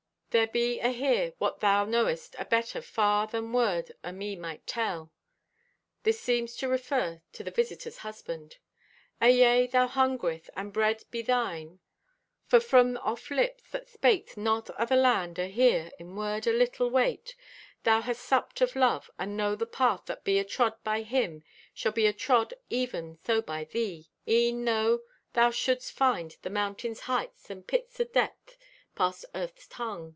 There be ahere what thou knowest abetter far than word o' me might tell. (This seems to refer to the visitor's husband.) Ayea thou hungereth, and bread be thine, for from off lips that spaked not o' the land o' here in word o' little weight, thou hast supped of love, and know the path that be atrod by him shall be atrod even so by thee, e'en tho' thou shouldst find the mountain's height and pits o' depth past Earth's tung.